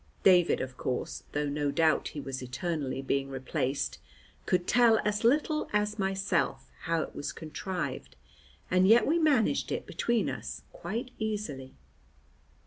David, of course, though no doubt he was eternally being replaced, could tell as little as myself how it was contrived, and yet we managed it between us quite easily.